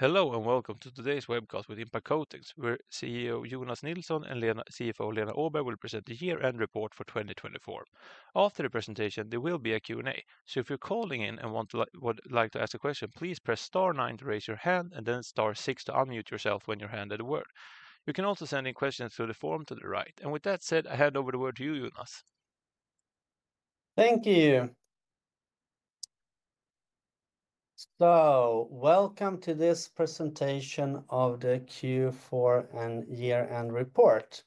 Hello and welcome to today's webcast with Impact Coatings, where CEO Jonas Nilsson and CFO Lena Åberg will present the year-end report for 2024. After the presentation, there will be a Q&A, so if you're calling in and would like to ask a question, please press star nine to raise your hand and then star six to unmute yourself when you're handed a word. You can also send in questions through the form to the right. With that said, I hand over the word to you, Jonas. Thank you. Welcome to this presentation of the Q4 and year-end report.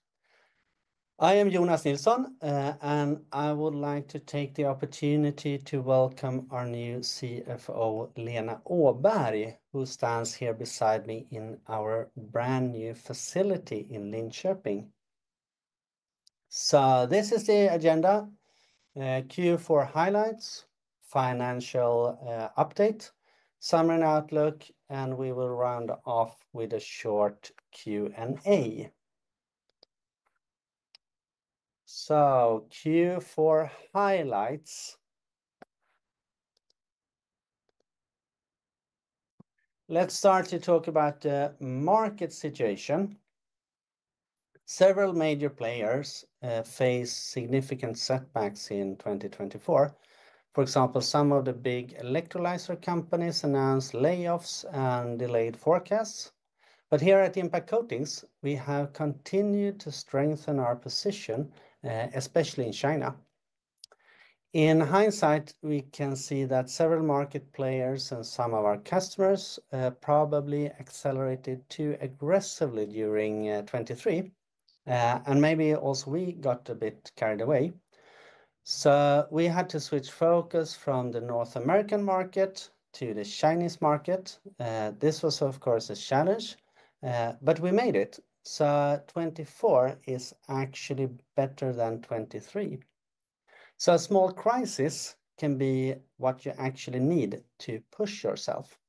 I am Jonas Nilsson, and I would like to take the opportunity to welcome our new CFO, Lena Åberg, who stands here beside me in our brand new facility in Linköping. This is the agenda: Q4 highlights, financial update, summary and outlook, and we will round off with a short Q&A. Q4 highlights. Let's start to talk about the market situation. Several major players face significant setbacks in 2024. For example, some of the big electrolyzer companies announced layoffs and delayed forecasts. Here at Impact Coatings, we have continued to strengthen our position, especially in China. In hindsight, we can see that several market players and some of our customers probably accelerated too aggressively during 2023, and maybe also we got a bit carried away. We had to switch focus from the North American market to the Chinese market. This was, of course, a challenge, but we made it. Twenty twenty-four is actually better than twenty twenty-three. A small crisis can be what you actually need to push yourself.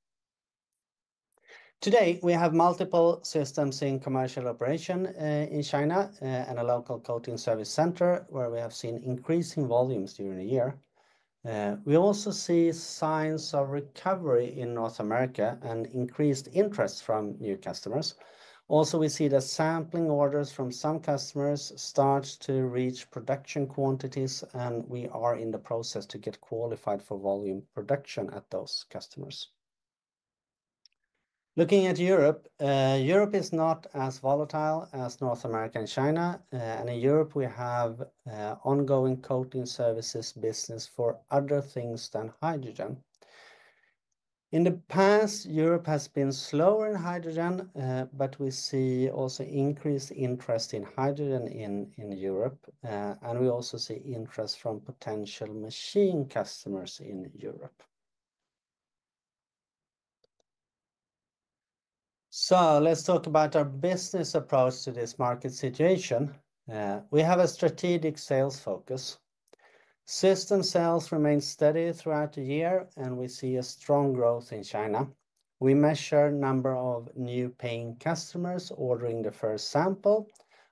Today, we have multiple systems in commercial operation in China and a local coating service center where we have seen increasing volumes during the year. We also see signs of recovery in North America and increased interest from new customers. Also, we see the sampling orders from some customers start to reach production quantities, and we are in the process to get qualified for volume production at those customers. Looking at Europe, Europe is not as volatile as North America and China. In Europe, we have ongoing coating services business for other things than hydrogen. In the past, Europe has been slower in hydrogen, but we see also increased interest in hydrogen in Europe, and we also see interest from potential machine customers in Europe. Let's talk about our business approach to this market situation. We have a strategic sales focus. System sales remain steady throughout the year, and we see a strong growth in China. We measure the number of new paying customers ordering the first sample.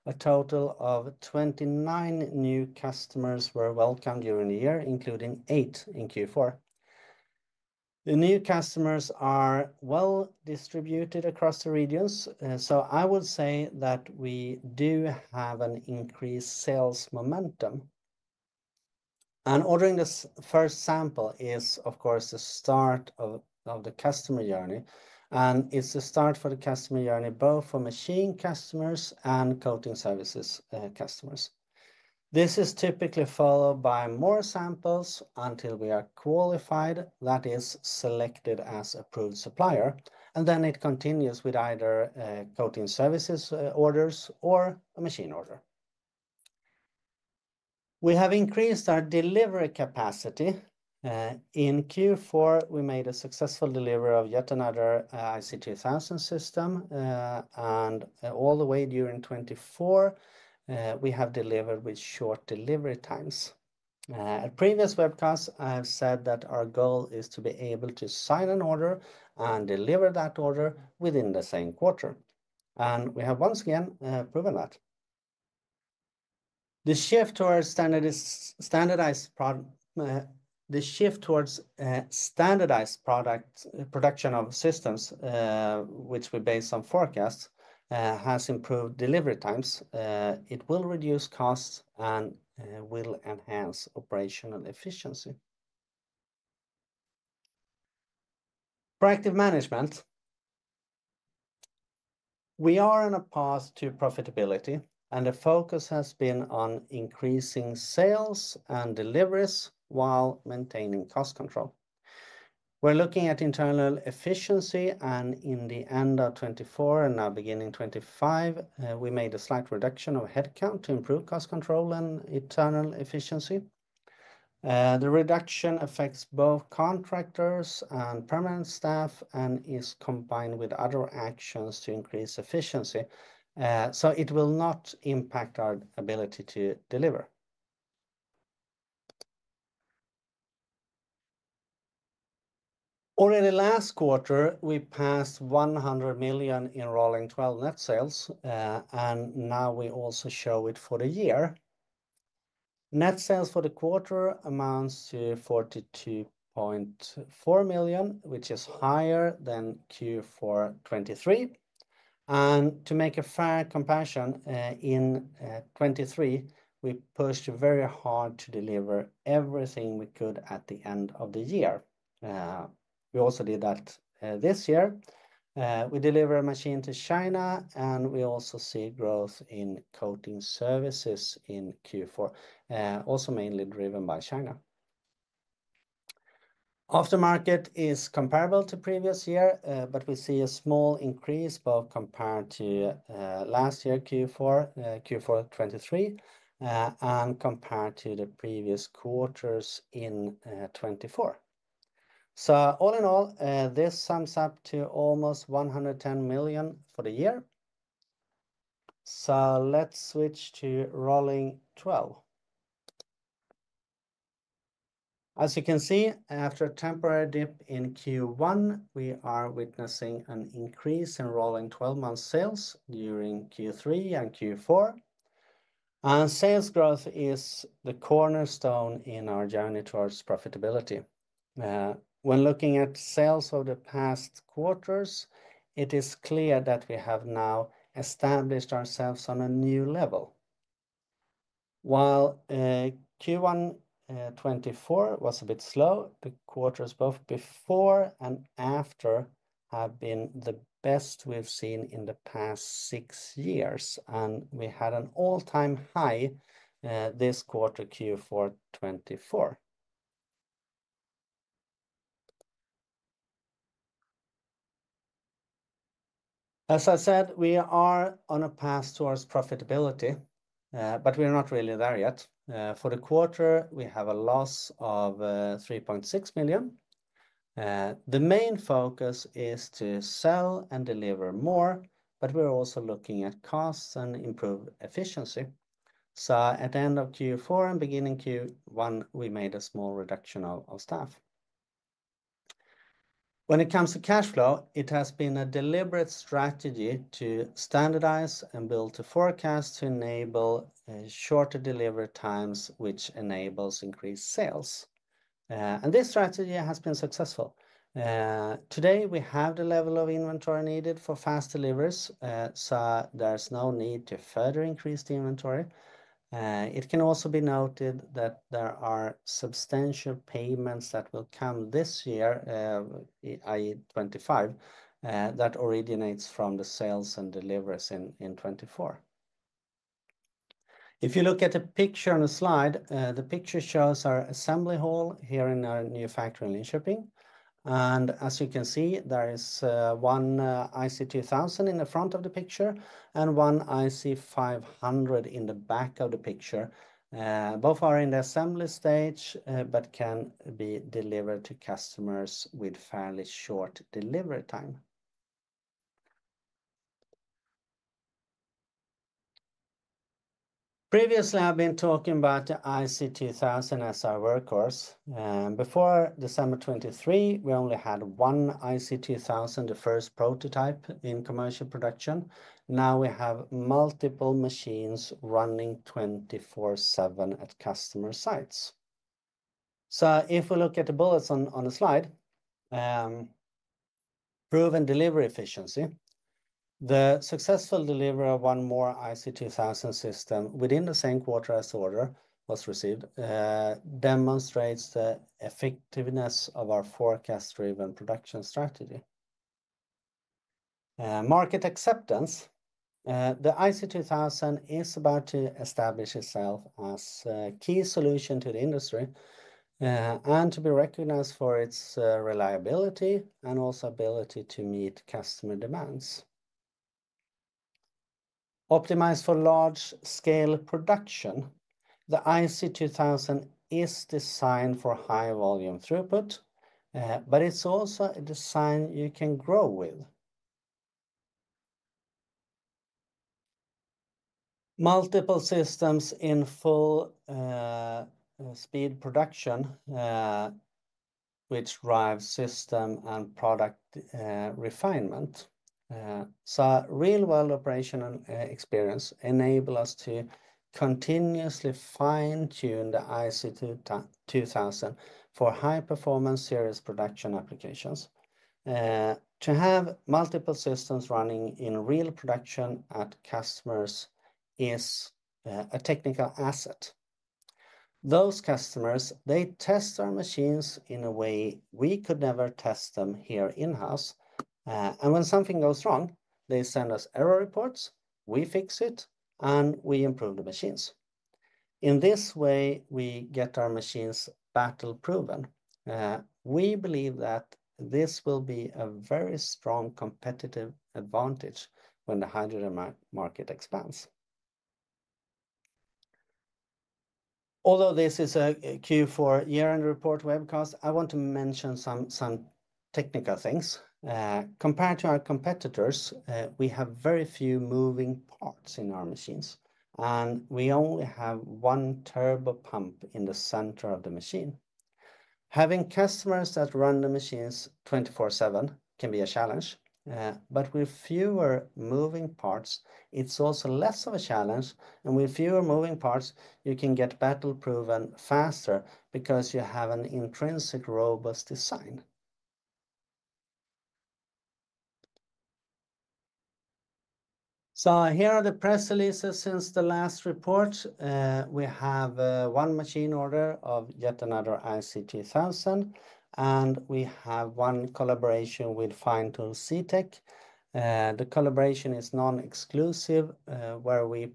A total of 29 new customers were welcomed during the year, including eight in Q4. The new customers are well distributed across the regions, so I would say that we do have an increased sales momentum. Ordering the first sample is, of course, the start of the customer journey, and it's the start for the customer journey both for machine customers and coating services customers. This is typically followed by more samples until we are qualified, that is, selected as approved supplier, and then it continues with either coating services orders or a machine order. We have increased our delivery capacity. In Q4, we made a successful delivery of yet another IC2000 system, and all the way during 2024, we have delivered with short delivery times. At previous webcasts, I have said that our goal is to be able to sign an order and deliver that order within the same quarter, and we have once again proven that. The shift towards standardized product production of systems, which we base on forecasts, has improved delivery times. It will reduce costs and will enhance operational efficiency. Proactive management. We are on a path to profitability, and the focus has been on increasing sales and deliveries while maintaining cost control. We're looking at internal efficiency, and in the end of 2024 and now beginning 2025, we made a slight reduction of headcount to improve cost control and internal efficiency. The reduction affects both contractors and permanent staff and is combined with other actions to increase efficiency, so it will not impact our ability to deliver. Already last quarter, we passed 100 million in rolling 12 net sales, and now we also show it for the year. Net sales for the quarter amounts to 42.4 million, which is higher than Q4 2023. To make a fair comparison, in 2023, we pushed very hard to deliver everything we could at the end of the year. We also did that this year. We delivered a machine to China, and we also see growth in coating services in Q4, also mainly driven by China. Aftermarket is comparable to previous year, but we see a small increase both compared to last year, Q4 2023, and compared to the previous quarters in 2024. All in all, this sums up to almost 110 million for the year. Let's switch to rolling 12. As you can see, after a temporary dip in Q1, we are witnessing an increase in rolling 12-month sales during Q3 and Q4. Sales growth is the cornerstone in our journey towards profitability. When looking at sales over the past quarters, it is clear that we have now established ourselves on a new level. While Q1 2024 was a bit slow, the quarters both before and after have been the best we've seen in the past six years, and we had an all-time high this quarter, Q4 2024. As I said, we are on a path towards profitability, but we're not really there yet. For the quarter, we have a loss of 3.6 million. The main focus is to sell and deliver more, but we're also looking at costs and improved efficiency. At the end of Q4 and beginning Q1, we made a small reduction of staff. When it comes to cash flow, it has been a deliberate strategy to standardize and build a forecast to enable shorter delivery times, which enables increased sales. This strategy has been successful. Today, we have the level of inventory needed for fast deliveries, so there's no need to further increase the inventory. It can also be noted that there are substantial payments that will come this year, i.e., 2025, that originate from the sales and deliveries in 2024. If you look at the picture on the slide, the picture shows our assembly hall here in our new factory in Linköping. As you can see, there is one IC2000 in the front of the picture and one IC500 in the back of the picture. Both are in the assembly stage, but can be delivered to customers with fairly short delivery time. Previously, I've been talking about the IC2000 as our workhorse. Before December 2023, we only had one IC2000, the first prototype in commercial production. Now we have multiple machines running 24/7 at customer sites. If we look at the bullets on the slide, proven delivery efficiency, the successful delivery of one more IC2000 system within the same quarter as order was received demonstrates the effectiveness of our forecast-driven production strategy. Market acceptance. The IC2000 is about to establish itself as a key solution to the industry and to be recognized for its reliability and also ability to meet customer demands. Optimized for large-scale production, the IC2000 is designed for high volume throughput, but it's also a design you can grow with. Multiple systems in full-speed production, which drives system and product refinement. Real-world operational experience enables us to continuously fine-tune the IC2000 for high-performance series production applications. To have multiple systems running in real production at customers is a technical asset. Those customers, they test our machines in a way we could never test them here in-house. When something goes wrong, they send us error reports, we fix it, and we improve the machines. In this way, we get our machines battle-proven. We believe that this will be a very strong competitive advantage when the hydrogen market expands. Although this is a Q4 year-end report webcast, I want to mention some technical things. Compared to our competitors, we have very few moving parts in our machines, and we only have one turbo pump in the center of the machine. Having customers that run the machines 24/7 can be a challenge, but with fewer moving parts, it's also less of a challenge. With fewer moving parts, you can get battle-proven faster because you have an intrinsic robust design. Here are the press releases since the last report. We have one machine order of yet another IC2000, and we have one collaboration with Feintool SITEC. The collaboration is non-exclusive, where we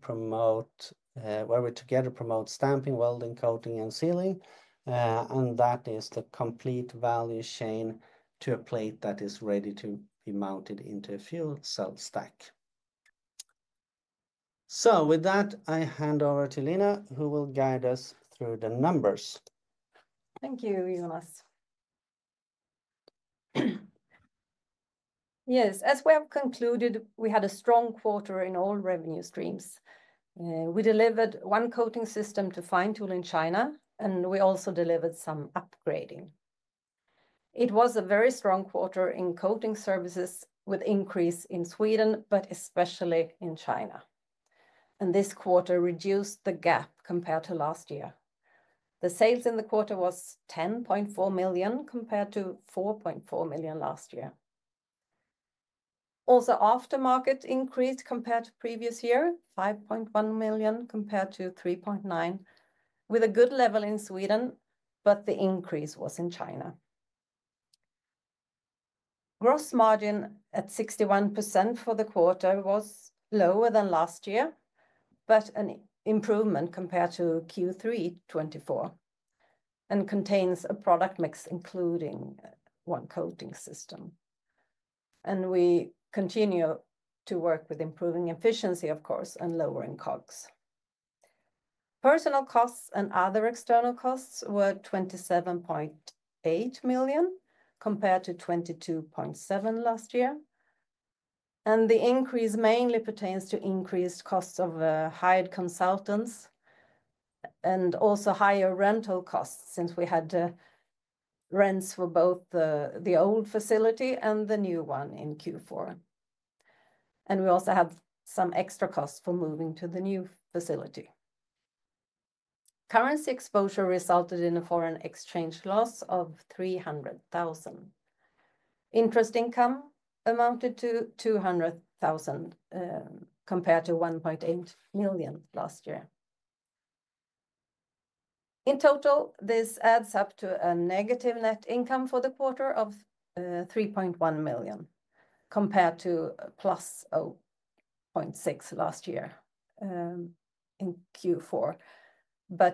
together promote stamping, welding, coating, and sealing, and that is the complete value chain to a plate that is ready to be mounted into a fuel cell stack. With that, I hand over to Lena, who will guide us through the numbers. Thank you, Jonas. Yes, as we have concluded, we had a strong quarter in all revenue streams. We delivered one coating system to Feintool in China, and we also delivered some upgrading. It was a very strong quarter in coating services with increase in Sweden, but especially in China. This quarter reduced the gap compared to last year. The sales in the quarter was 10.4 million compared to 4.4 million last year. Also, aftermarket increased compared to previous year, 5.1 million compared to 3.9 million, with a good level in Sweden, but the increase was in China. Gross margin at 61% for the quarter was lower than last year, but an improvement compared to Q3 2024 and contains a product mix including one coating system. We continue to work with improving efficiency, of course, and lowering COGS. Personnel costs and other external costs were 27.8 million compared to 22.7 million last year. The increase mainly pertains to increased costs of hired consultants and also higher rental costs since we had rents for both the old facility and the new one in Q4. We also have some extra costs for moving to the new facility. Currency exposure resulted in a foreign exchange loss of 300,000. Interest income amounted to 200,000 compared to 1.8 million last year. In total, this adds up to a negative net income for the quarter of 3.1 million compared to plus 0.6 million last year in Q4,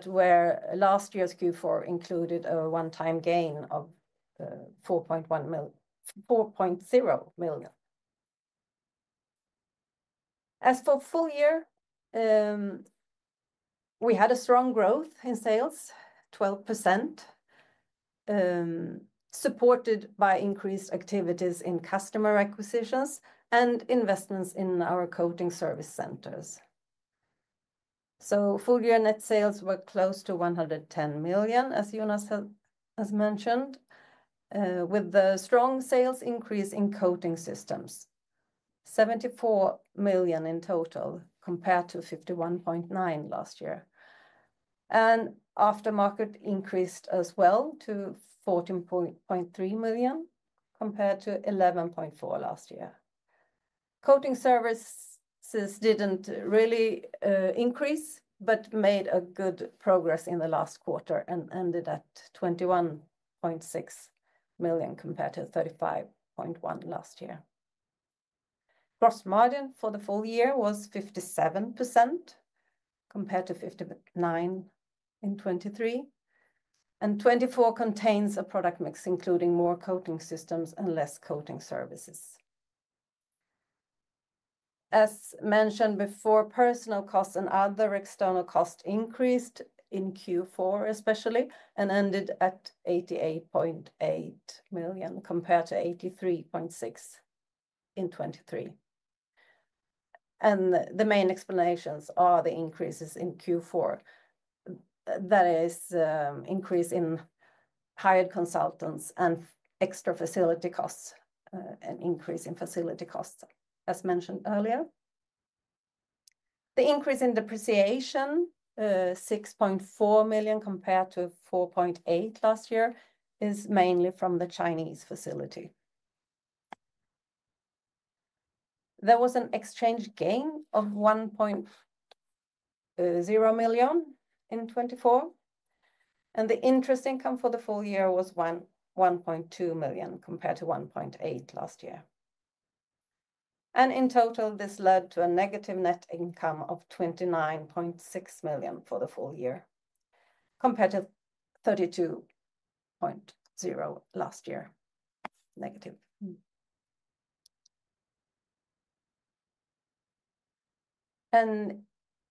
where last year's Q4 included a one-time gain of SEK 4.0 million. As for full year, we had a strong growth in sales, 12%, supported by increased activities in customer acquisitions and investments in our coating service centers. Full year net sales were close to 110 million, as Jonas has mentioned, with the strong sales increase in coating systems, 74 million in total compared to 51.9 million last year. Aftermarket increased as well to 14.3 million compared to 11.4 million last year. Coating services did not really increase but made good progress in the last quarter and ended at 21.6 million compared to 35.1 million last year. Gross margin for the full year was 57% compared to 59% in 2023. The year 2024 contains a product mix including more coating systems and less coating services. As mentioned before, personnel costs and other external costs increased in Q4 especially and ended at 88.8 million compared to 83.6 million in 2023. The main explanations are the increases in Q4, that is, increase in hired consultants and extra facility costs and increase in facility costs, as mentioned earlier. The increase in depreciation, 6.4 million compared to 4.8 million last year, is mainly from the Chinese facility. There was an exchange gain of 1.0 million in 2024. The interest income for the full year was 1.2 million compared to 1.8 million last year. In total, this led to a negative net income of 29.6 million for the full year compared to 32.0 million last year, negative.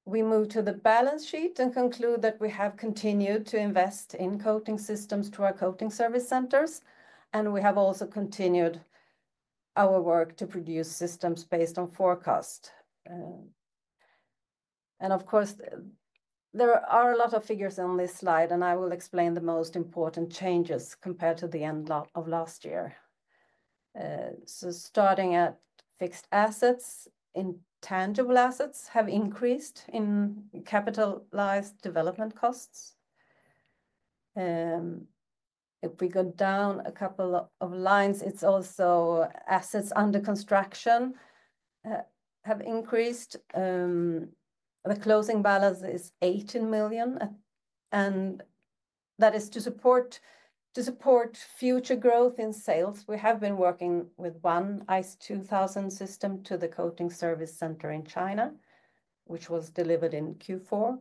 We move to the balance sheet and conclude that we have continued to invest in coating systems to our coating service centers. We have also continued our work to produce systems based on forecast. Of course, there are a lot of figures on this slide, and I will explain the most important changes compared to the end of last year. Starting at fixed assets, intangible assets have increased in capitalized development costs. If we go down a couple of lines, it's also assets under construction have increased. The closing balance is 18 million. That is to support future growth in sales. We have been working with one IC2000 system to the coating service center in China, which was delivered in Q4.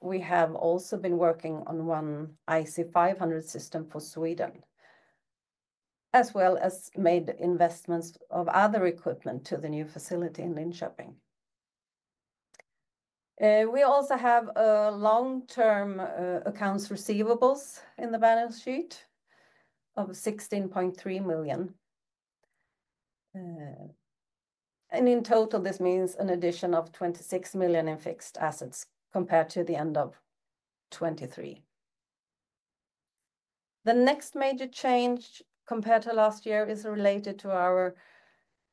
We have also been working on one IC500 system for Sweden, as well as made investments of other equipment to the new facility in Linköping. We also have long-term accounts receivables in the balance sheet of 16.3 million. In total, this means an addition of 26 million in fixed assets compared to the end of 2023. The next major change compared to last year is related to our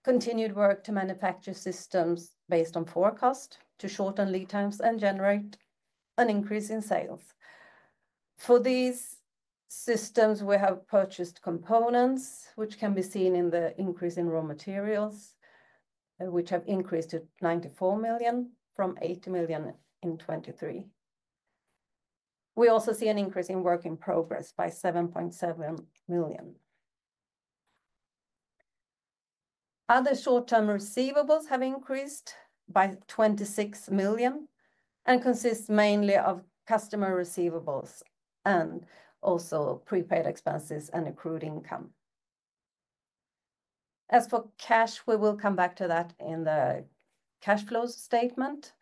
continued work to manufacture systems based on forecast to shorten lead times and generate an increase in sales. For these systems, we have purchased components, which can be seen in the increase in raw materials, which have increased to 94 million from 80 million in 2023. We also see an increase in work in progress by 7.7 million. Other short-term receivables have increased by 26 million and consist mainly of customer receivables and also prepaid expenses and accrued income. As for cash, we will come back to that in the cash flows statement.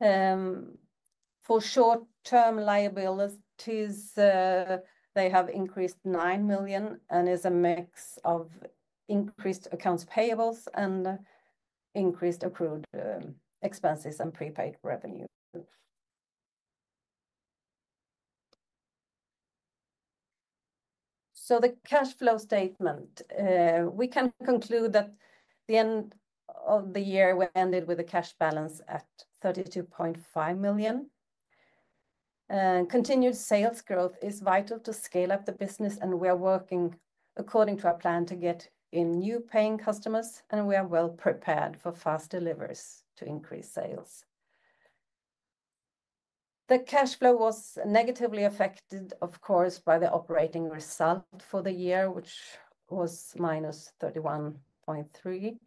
For short-term liabilities, they have increased 9 million and is a mix of increased accounts payables and increased accrued expenses and prepaid revenue. The cash flow statement, we can conclude that at the end of the year we ended with a cash balance at 32.5 million. Continued sales growth is vital to scale up the business, and we are working according to our plan to get in new paying customers, and we are well prepared for fast deliveries to increase sales. The cash flow was negatively affected, of course, by the operating result for the year, which was minus 31.3 million.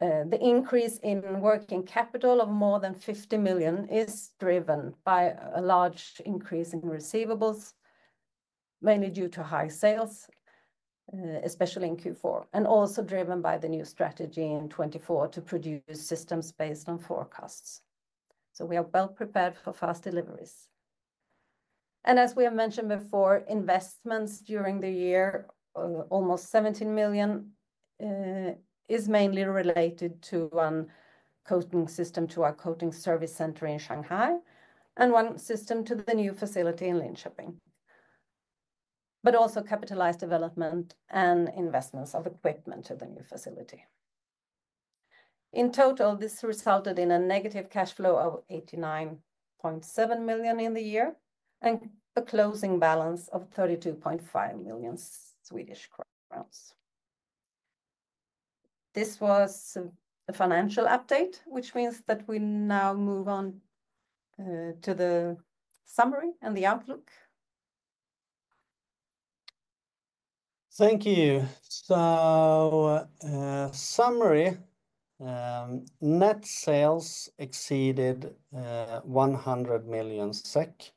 The increase in working capital of more than 50 million is driven by a large increase in receivables, mainly due to high sales, especially in Q4, and also driven by the new strategy in 2024 to produce systems based on forecasts. We are well prepared for fast deliveries. As we have mentioned before, investments during the year, almost 17 million, is mainly related to one coating system to our coating service center in Shanghai and one system to the new facility in Linköping, but also capitalized development and investments of equipment to the new facility. In total, this resulted in a negative cash flow of 89.7 million in the year and a closing balance of 32.5 million Swedish kronor. This was a financial update, which means that we now move on to the summary and the outlook. Thank you. Summary, net sales exceeded 100 million SEK.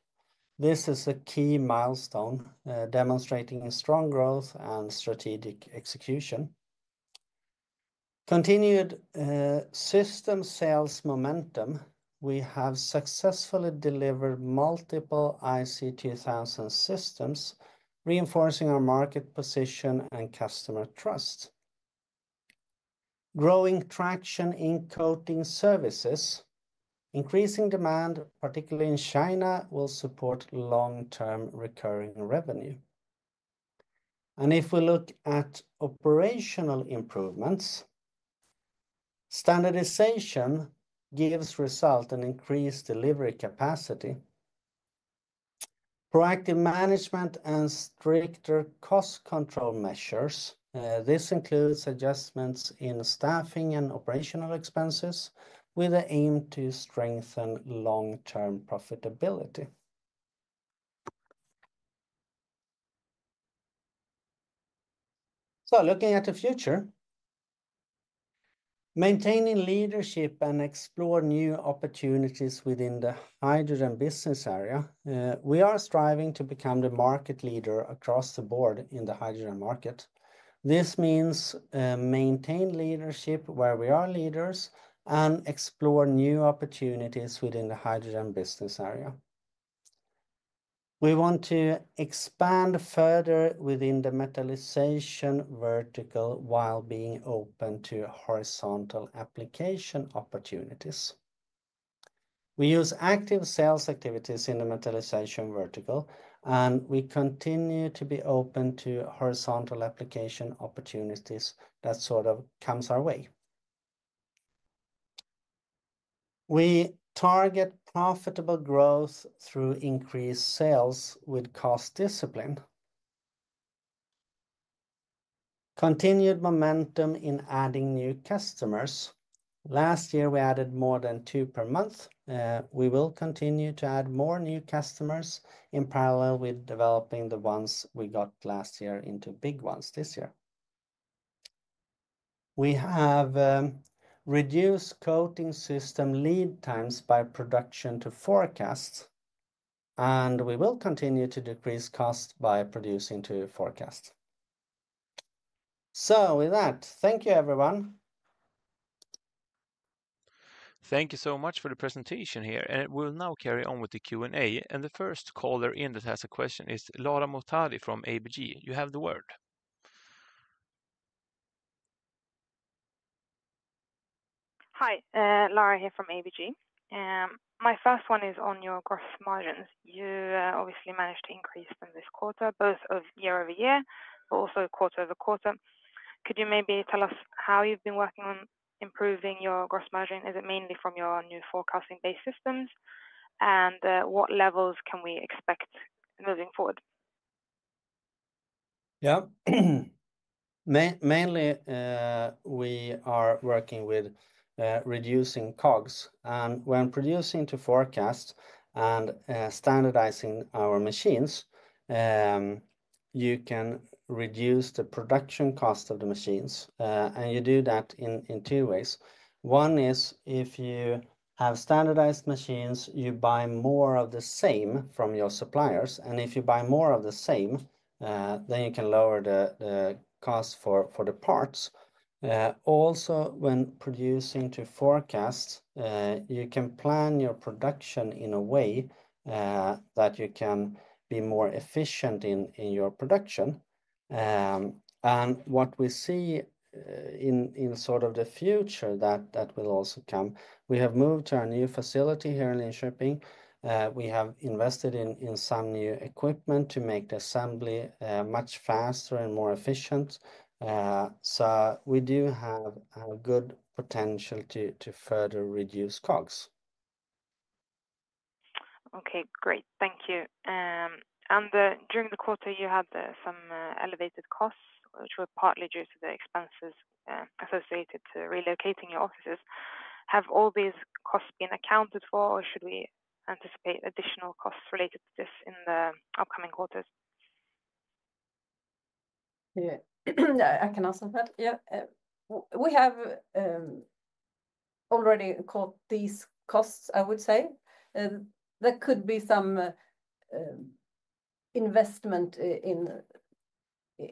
This is a key milestone demonstrating strong growth and strategic execution. Continued system sales momentum, we have successfully delivered multiple IC2000 systems, reinforcing our market position and customer trust. Growing traction in coating services, increasing demand, particularly in China, will support long-term recurring revenue. If we look at operational improvements, standardization gives result and increased delivery capacity. Proactive management and stricter cost control measures. This includes adjustments in staffing and operational expenses with the aim to strengthen long-term profitability. Looking at the future, maintaining leadership and explore new opportunities within the hydrogen business area. We are striving to become the market leader across the board in the hydrogen market. This means maintain leadership where we are leaders and explore new opportunities within the hydrogen business area. We want to expand further within the metallization vertical while being open to horizontal application opportunities. We use active sales activities in the metallization vertical, and we continue to be open to horizontal application opportunities that sort of comes our way. We target profitable growth through increased sales with cost discipline. Continued momentum in adding new customers. Last year, we added more than two per month. We will continue to add more new customers in parallel with developing the ones we got last year into big ones this year. We have reduced coating system lead times by production to forecasts, and we will continue to decrease costs by producing to forecasts. With that, thank you everyone. Thank you so much for the presentation here. We will now carry on with the Q&A. The first caller in that has a question is Lara Mohtadi from ABG. You have the word. Hi, Lara here from ABG. My first one is on your gross margins. You obviously managed to increase them this quarter, both year-over-year, but also quarter-over-quarter. Could you maybe tell us how you've been working on improving your gross margin? Is it mainly from your new forecasting-based systems? What levels can we expect moving forward? Yeah. Mainly, we are working with reducing COGS. When producing to forecast and standardizing our machines, you can reduce the production cost of the machines. You do that in two ways. One is if you have standardized machines, you buy more of the same from your suppliers. If you buy more of the same, then you can lower the cost for the parts. Also, when producing to forecast, you can plan your production in a way that you can be more efficient in your production. What we see in sort of the future that will also come, we have moved to our new facility here in Linköping. We have invested in some new equipment to make the assembly much faster and more efficient. We do have a good potential to further reduce COGS. Okay, great. Thank you. During the quarter, you had some elevated costs, which were partly due to the expenses associated to relocating your offices. Have all these costs been accounted for, or should we anticipate additional costs related to this in the upcoming quarters? Yeah, I can answer that. Yeah. We have already caught these costs, I would say. There could be some investment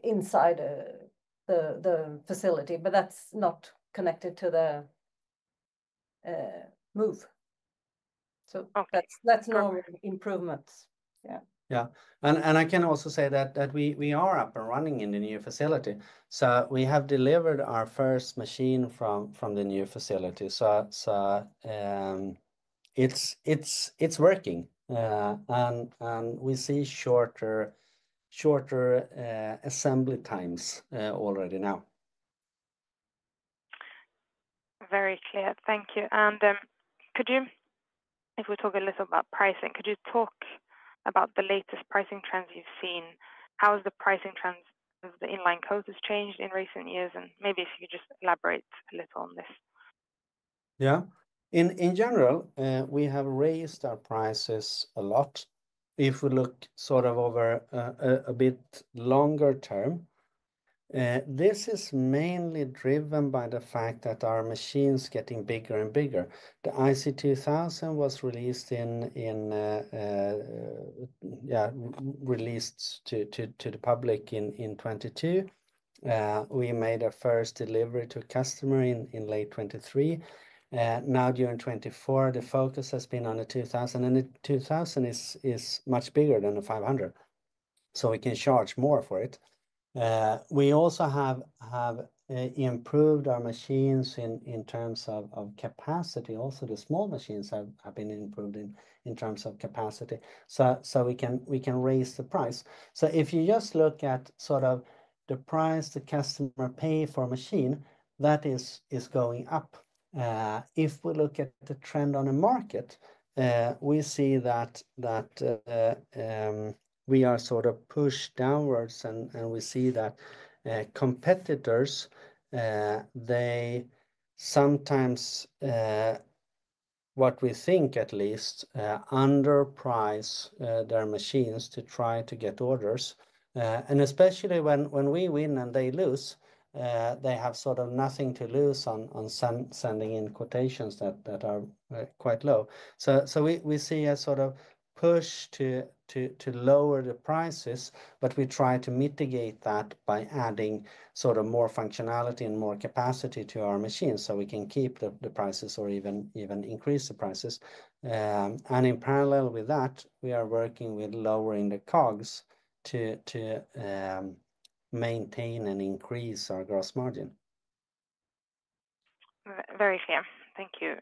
inside the facility, but that's not connected to the move. That is normal improvements. Yeah. I can also say that we are up and running in the new facility. We have delivered our first machine from the new facility. It is working. We see shorter assembly times already now. Very clear. Thank you. If we talk a little about pricing, could you talk about the latest pricing trends you've seen? How has the pricing trends of the INLINECOATER systems changed in recent years? Maybe if you could just elaborate a little on this. Yeah. In general, we have raised our prices a lot. If we look sort of over a bit longer term, this is mainly driven by the fact that our machine is getting bigger and bigger. The IC2000 was released in, yeah, released to the public in 2022. We made a first delivery to a customer in late 2023. Now, during 2024, the focus has been on the 2000, and the 2000 is much bigger than the 500. We can charge more for it. We also have improved our machines in terms of capacity. Also, the small machines have been improved in terms of capacity. We can raise the price. If you just look at sort of the price the customer pays for a machine, that is going up. If we look at the trend on the market, we see that we are sort of pushed downwards, and we see that competitors, they sometimes, what we think at least, underprice their machines to try to get orders. Especially when we win and they lose, they have sort of nothing to lose on sending in quotations that are quite low. We see a sort of push to lower the prices, but we try to mitigate that by adding sort of more functionality and more capacity to our machines so we can keep the prices or even increase the prices. In parallel with that, we are working with lowering the COGS to maintain and increase our gross margin. Very clear. Thank you.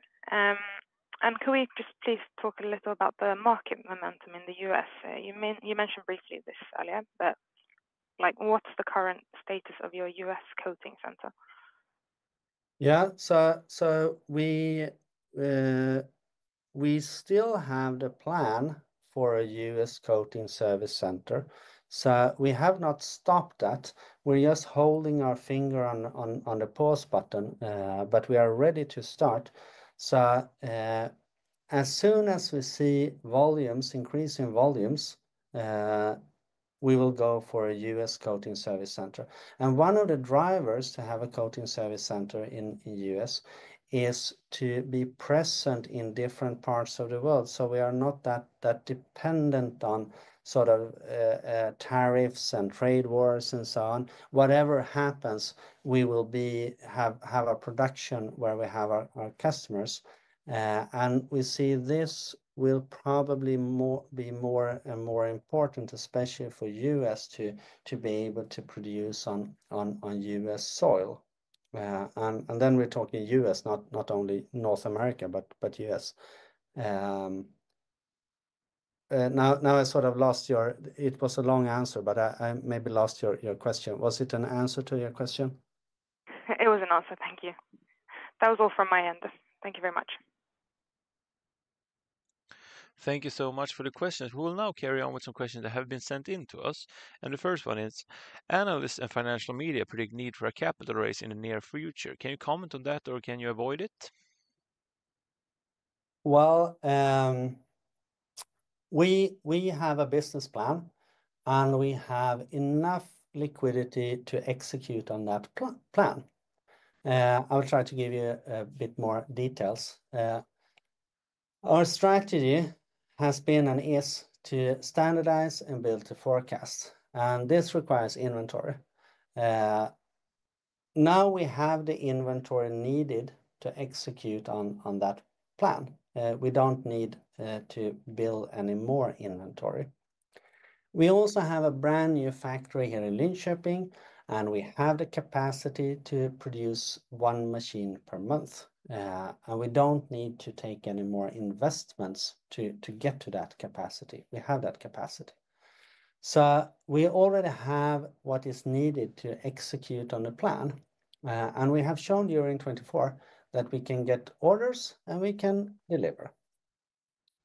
Can we just please talk a little about the market momentum in the U.S.? You mentioned briefly this earlier, but what's the current status of your U.S. coating center? Yeah. We still have the plan for a U.S. coating service center. We have not stopped that. We're just holding our finger on the pause button, but we are ready to start. As soon as we see increasing volumes, we will go for a U.S. coating service center. One of the drivers to have a coating service center in the U.S. is to be present in different parts of the world. We are not that dependent on sort of tariffs and trade wars and so on. Whatever happens, we will have a production where we have our customers. We see this will probably be more and more important, especially for the U.S., to be able to produce on U.S. soil. We are talking U.S., not only North America, but U.S. I sort of lost your—it was a long answer, but I maybe lost your question. Was it an answer to your question? It was an answer. Thank you. That was all from my end. Thank you very much. Thank you so much for the questions. We will now carry on with some questions that have been sent in to us. The first one is, analysts and financial media predict need for a capital raise in the near future. Can you comment on that, or can you avoid it? We have a business plan, and we have enough liquidity to execute on that plan. I will try to give you a bit more details. Our strategy has been and is to standardize and build to forecast. This requires inventory. Now we have the inventory needed to execute on that plan. We do not need to build any more inventory. We also have a brand new factory here in Linköping, and we have the capacity to produce one machine per month. We do not need to take any more investments to get to that capacity. We have that capacity. We already have what is needed to execute on the plan. We have shown during 2024 that we can get orders and we can deliver.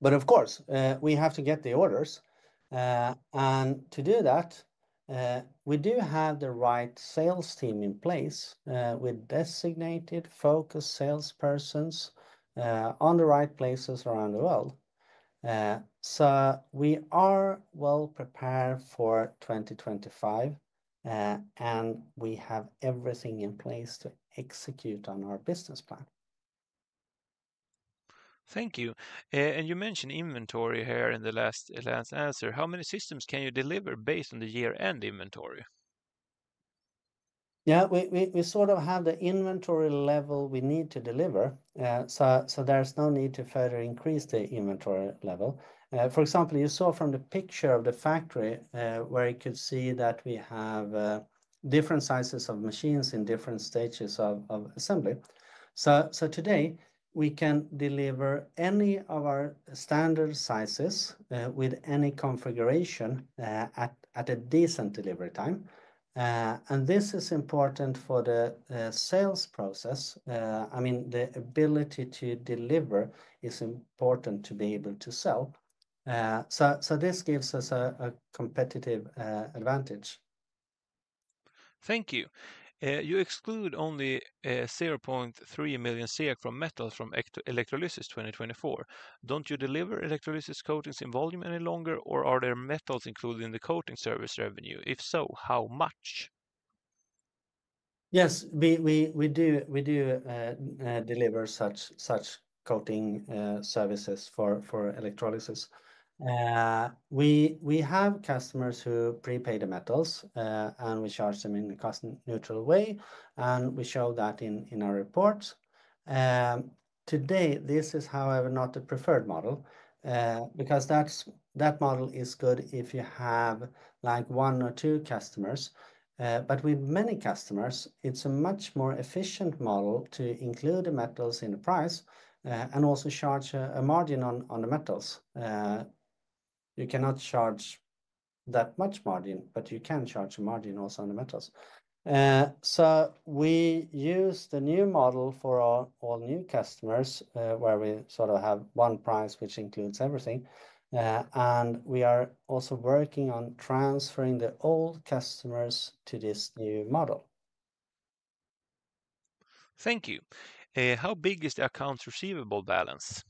Of course, we have to get the orders. To do that, we do have the right sales team in place with designated focus salespersons in the right places around the world. We are well prepared for 2025, and we have everything in place to execute on our business plan. Thank you. You mentioned inventory here in the last answer. How many systems can you deliver based on the year-end inventory? We sort of have the inventory level we need to deliver. There is no need to further increase the inventory level. For example, you saw from the picture of the factory where you could see that we have different sizes of machines in different stages of assembly. Today, we can deliver any of our standard sizes with any configuration at a decent delivery time. This is important for the sales process. I mean, the ability to deliver is important to be able to sell. This gives us a competitive advantage. Thank you. You exclude only 0.3 million SEK from metals from electrolysis 2024. not you deliver electrolysis coatings in volume any longer, or are there metals included in the coating service revenue? If so, how much? Yes, we do deliver such coating services for electrolysis. We have customers who prepay the metals, and we charge them in a cost-neutral way. We show that in our reports. Today, this is, however, not the preferred model because that model is good if you have one or two customers. With many customers, it is a much more efficient model to include the metals in the price and also charge a margin on the metals. You cannot charge that much margin, but you can charge a margin also on the metals. We use the new model for all new customers where we sort of have one price which includes everything. We are also working on transferring the old customers to this new model. Thank you. How big is the accounts receivable balance?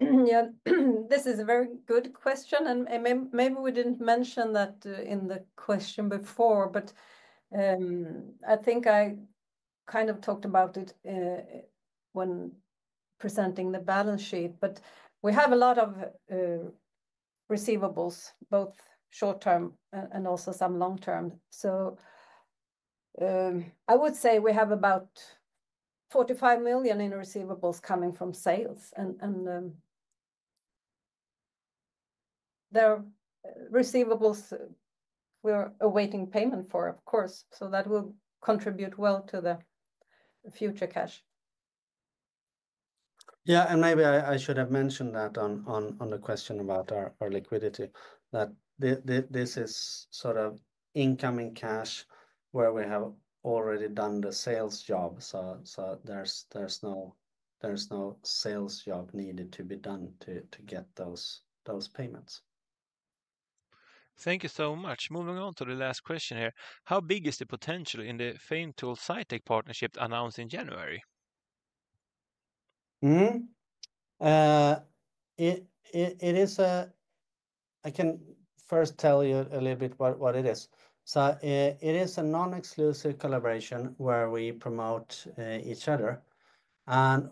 Yeah, this is a very good question. Maybe we did not mention that in the question before, but I think I kind of talked about it when presenting the balance sheet. We have a lot of receivables, both short-term and also some long-term. I would say we have about 45 million in receivables coming from sales. There are receivables we are awaiting payment for, of course. That will contribute well to the future cash. Maybe I should have mentioned that on the question about our liquidity, that this is sort of incoming cash where we have already done the sales job. There is no sales job needed to be done to get those payments. Thank you so much. Moving on to the last question here. How big is the potential in the Feintool SITEC partnership announced in January? I can first tell you a little bit what it is. It is a non-exclusive collaboration where we promote each other.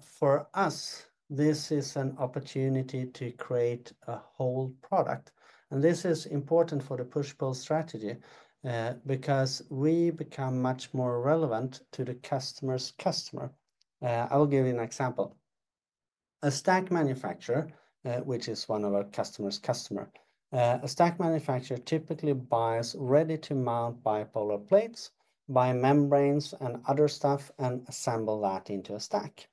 For us, this is an opportunity to create a whole product. This is important for the push-pull strategy because we become much more relevant to the customer's customer. I will give you an example. A stack manufacturer, which is one of our customer's customers, a stack manufacturer typically buys ready-to-mount bipolar plates, buys membranes and other stuff, and assembles that into a stack.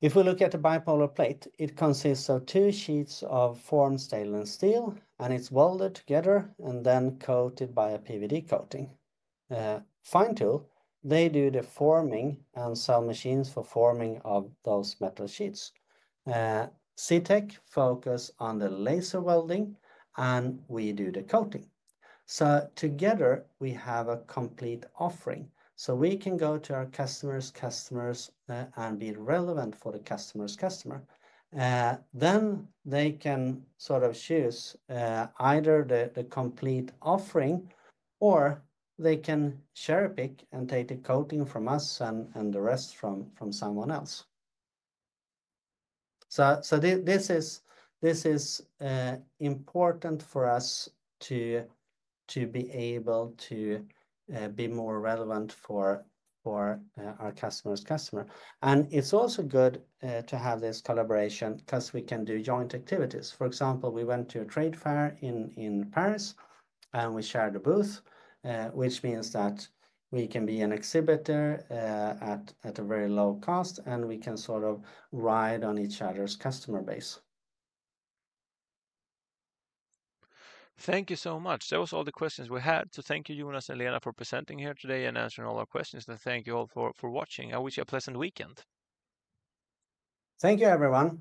If we look at a bipolar plate, it consists of two sheets of formed stainless steel, and it is welded together and then coated by a PVD coating. Feintool, they do the forming and sell machines for forming of those metal sheets. SITEC focus on the laser welding, and we do the coating. Together, we have a complete offering. We can go to our customer's customers and be relevant for the customer's customer. They can choose either the complete offering or they can pick and take the coating from us and the rest from someone else. This is important for us to be able to be more relevant for our customer's customer. It is also good to have this collaboration because we can do joint activities. For example, we went to a trade fair in Paris, and we shared a booth, which means that we can be an exhibitor at a very low cost, and we can ride on each other's customer base. Thank you so much. That was all the questions we had. Thank you, Jonas and Lena, for presenting here today and answering all our questions. Thank you all for watching. I wish you a pleasant weekend. Thank you, everyone.